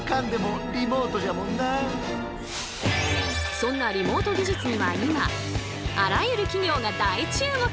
そんなリモート技術には今あらゆる企業が大注目！